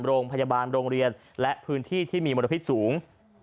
โรงพยาบาลโรงเรียนและพื้นที่ที่มีมลพิษสูง